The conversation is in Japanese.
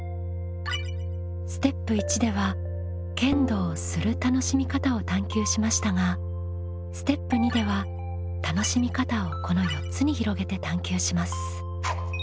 ステップ１では剣道をする楽しみ方を探究しましたがステップ２では楽しみ方をこの４つに広げて探究します。